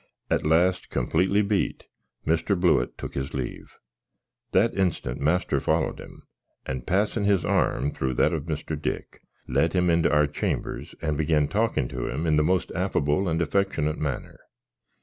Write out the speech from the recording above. At last, completely beat, Mr. Blewitt took his leaf; that instant master followed him; and passin his arm through that of Mr. Dick, let him into our chambers, and began talkin to him in the most affable and affeckshnat manner.